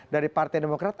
dari partai demokrat